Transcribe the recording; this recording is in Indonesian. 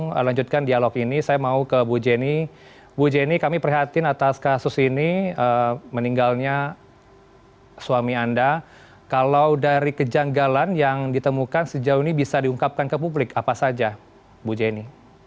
saya lanjutkan dialog ini saya mau ke bu jenny bu jenny kami prihatin atas kasus ini meninggalnya suami anda kalau dari kejanggalan yang ditemukan sejauh ini bisa diungkapkan ke publik apa saja bu jenny